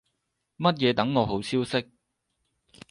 乜嘢等我好消息